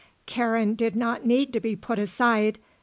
Karen did not need to be put aside.